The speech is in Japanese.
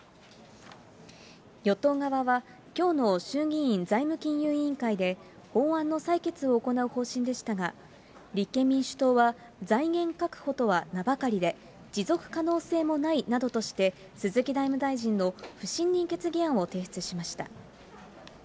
与党側はきょうの衆議院財務金融委員会で法案の採決を行う方針でしたが、立憲民主党は財源確保とは名ばかりで持続可能性もないなどとして、鈴木財務大臣の不信任決議案を提出しました。